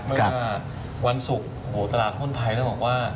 เมื่อวันศุกร์ตลาดหุ้นไทยต้องบอกว่า